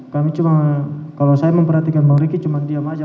kami cuma kalau saya memperhatikan bang riki cuma diam aja